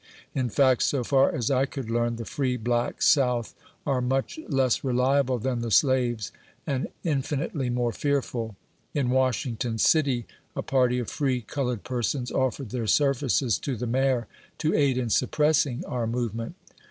In fact, so far as I could learn, the free blacks South are much less reliable than the slaves, and infinitely more fearful. In Washington City, a party of free colored persons offered their services to the. Mayor, to aid in Suppressing our movement.